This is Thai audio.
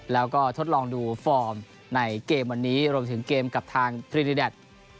แล้วก็ทดลองดูฟอร์มในเกมวันนี้รวมถึงเกมกับทางทริแดด